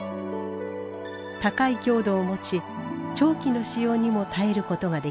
高い強度を持ち長期の使用にも耐えることができます。